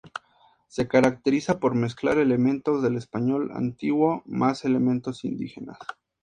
Se caracteriza por mezclar elementos del español antiguo más elementos indígenas.